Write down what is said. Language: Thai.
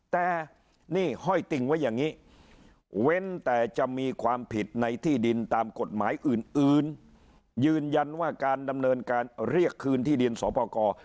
แต่นี่ห้อยติ่งไว้อย่างนี้เว้นแต่จะมีความผิดในที่ดินตามกฎหมายอื่นยืนยันว่าการดำเนินการเรียกคืนที่ดินสอปกร